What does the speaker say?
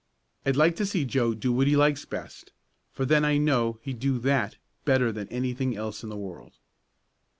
I'd like to see Joe do what he likes best, for then I know he'd do that better than anything else in the world."